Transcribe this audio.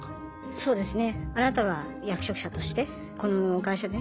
そうですね。